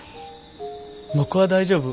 僕は大丈夫。